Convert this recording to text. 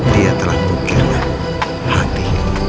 dia telah pikirkan hati